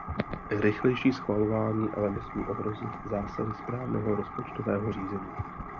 Rychlejší schvalování ale nesmí ohrozit zásady správného rozpočtového řízení.